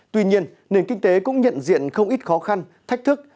tuy nhiên nền kinh tế cũng nhận diện không ít khó khăn thách thức